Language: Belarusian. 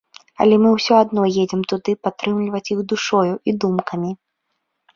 Але мы ўсё адно едзем туды падтрымліваць іх душою і думкамі.